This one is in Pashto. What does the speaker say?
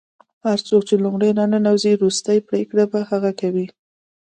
هر څوک چې لومړی راننوځي وروستۍ پرېکړه به هغه کوي.